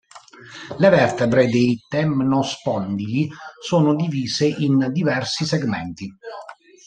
Le vertebre dei temnospondili sono divise in diversi segmenti.